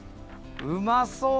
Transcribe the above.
うまそう！